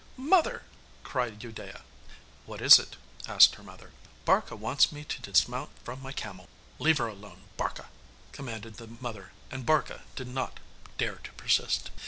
'Mother,' cried Udea. 'What is it?' asked her mother. 'Barka wants me to dismount from my camel.' 'Leave her alone, Barka,' commanded the mother, and Barka did not dare to persist.